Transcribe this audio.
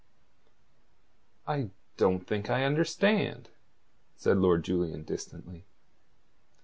"I don't think I understand," said Lord Julian distantly.